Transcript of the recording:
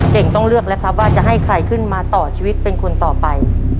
เก่งต้องเลือกแล้วครับว่าจะให้ใครขึ้นมาต่อชีวิตเป็นคนต่อไป